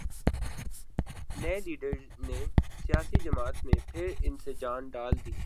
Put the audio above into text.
نئےلیڈر نے سیاسی جماعت میں پھر سے جان ڈال دی